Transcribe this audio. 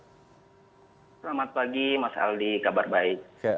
selamat pagi mas aldi kabar baik